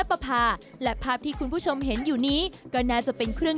ประพาและภาพที่คุณผู้ชมเห็นอยู่นี้ก็น่าจะเป็นเครื่อง